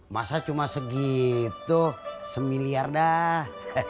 masa cuma segitu semiliar dah